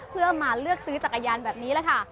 เพื่อมาเลือกซื้อจักรยานแบบนี้แหละค่ะ